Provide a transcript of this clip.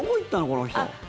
この人。